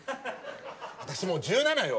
私もう１７よ！